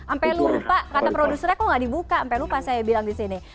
ampe lupa kata produsernya kok nggak dibuka ampe lupa saya bilang di sini